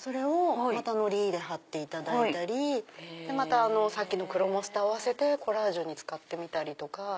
のりで貼っていただいたりさっきのクロモスと合わせてコラージュに使ってみたりとか。